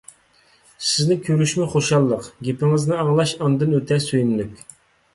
سىزنى كۆرۈشمۇ خۇشاللىق، گېپىڭىزنى ئاڭلاش ئاندىن ئۆتە سۆيۈملۈك!